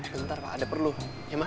nanti pak ada perlu ya mak